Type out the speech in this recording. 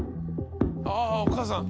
あぁお母さん。